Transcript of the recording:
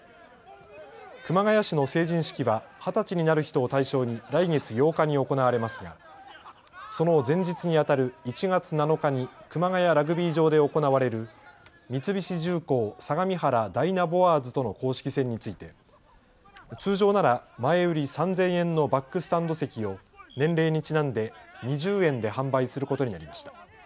熊谷市の成人式は二十歳になる人を対象に来月８日に行われますがその前日にあたる１月７日に熊谷ラグビー場で行われる三菱重工相模原ダイナボアーズとの公式戦について通常なら前売り３０００円のバックスタンド席を年齢にちなんで２０円で販売することになりました。